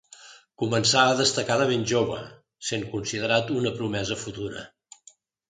Començà a destacar de ben jove, essent considerat una promesa futura.